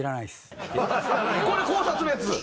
これ考察のやつ？